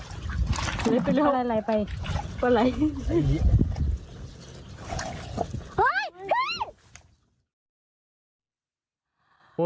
ไหนขึ้นแล้ว